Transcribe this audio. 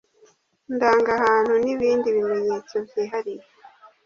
ndangahantu n ibindi bimenyetso byihariye